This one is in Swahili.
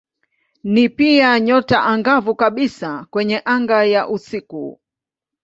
Ni pia nyota angavu kabisa kwenye anga ya usiku.